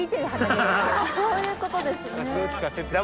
そういうことですね。